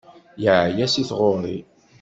Yeεya si tɣuri.